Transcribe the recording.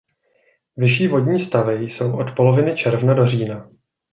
Vyšší vodní stavy jsou od poloviny června do října.